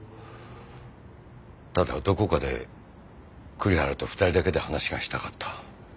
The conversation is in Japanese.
ただどこかで栗原と２人だけで話がしたかった。